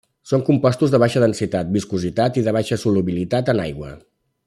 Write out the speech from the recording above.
Són compostos de baixa densitat, viscositat i de baixa solubilitat en aigua.